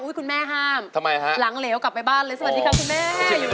อุ๊ยคุณแม่ห้ามหลังเลวกลับไปบ้านเลยสวัสดีครับคุณแม่